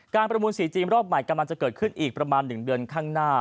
ประมูลสีจีนรอบใหม่กำลังจะเกิดขึ้นอีกประมาณ๑เดือนข้างหน้า